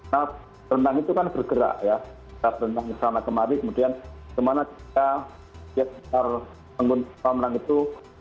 nah kolam renang itu kan bergerak ya saat renang kesana kemari kemudian kemana kita lihat sebarang pengunjung kolam renang itu